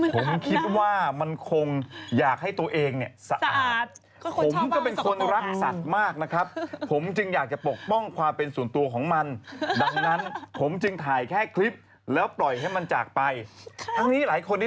ผมคิดว่ามันคงอยากให้ตัวเองเนี่ย